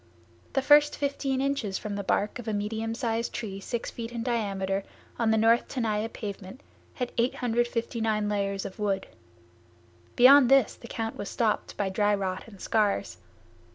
The first fifteen inches from the bark of a medium size tree six feet in diameter, on the north Tenaya pavement, had 859 layers of wood. Beyond this the count was stopped by dry rot and scars.